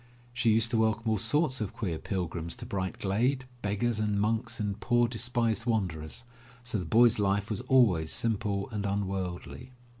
She used to welcome all sorts of queer pil grims to Bright Glade, beggars and monks and poor despised wanderers, so the boy*s life was always simple and unworldly.